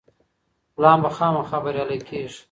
پلان به خامخا بريالی کيږي.